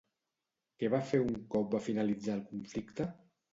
Què va fer un cop va finalitzar el conflicte?